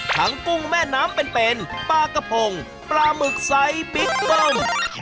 ถังกุ้งแม่น้ำเป็นปลากระพงปลาหมึกใสปริกกล้ม